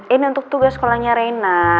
ini untuk tugas sekolahnya reina